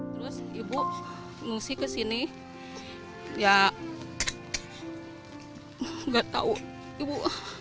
terus ibu ngusik ke sini ya gak tau ibu